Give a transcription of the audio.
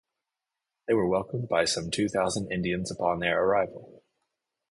They were welcomed by some two thousand Indians upon their arrival.